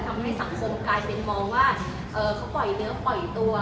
ทำให้สังคมกลายเป็นมองว่าเขาปล่อยเนื้อปล่อยตัว